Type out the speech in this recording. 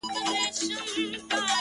زه دې د سجود په انتهاء مئين يم-